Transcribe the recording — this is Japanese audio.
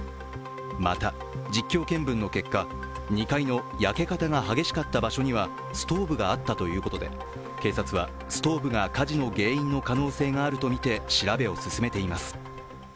また、実況見分の結果、２階の焼け方が激しかった場所にはストーブがあったということで警察はストーブが火事の原因の可能性があるとみて調べを進めています。